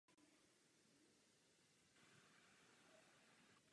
Představeno bylo jeho srdce jako předloha pro srdce lidská.